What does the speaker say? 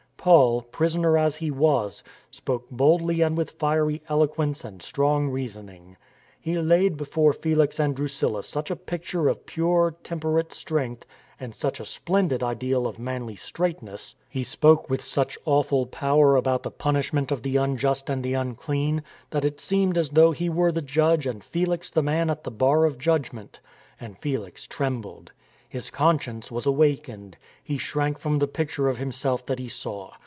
Paul, prisoner as he was, spoke boldly and with fiery eloquence and strong reasoning. He laid before Felix and Drusilla such a picture of pure, tem perate strength and such a splendid ideal of manly straightness ; he spoke with such awful power about the punishment of the unjust and the unclean, that it seemed as though he were the judge and Felix the man at the bar of judgement. And Felix trembled. His conscience was awakened. He shrank from the picture of himself that he saw.